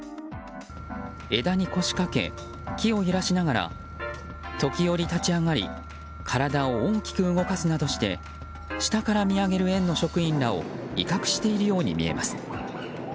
枝に腰かけ、木を揺らしながら時折立ち上がり体を大きく動かすなどして下から見上げる園の職員らを威嚇しているように見えます。